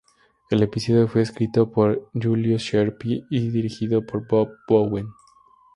El episodio fue escrito por Julius Sharpe y dirigido por Bob Bowen.